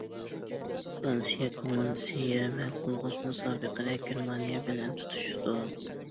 فىرانسىيە كوماندىسى يېرىم ھەل قىلغۇچ مۇسابىقىدە گېرمانىيە بىلەن تۇتۇشىدۇ.